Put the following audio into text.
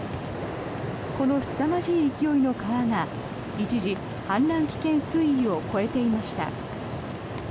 このすさまじい勢いの川が一時、氾濫危険水位を超えていました。